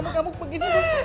saya mau tintan